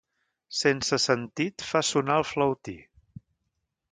Sense sentit fa sonar el flautí.